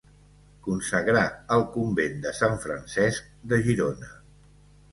Consagrà el Convent de Sant Francesc de Girona.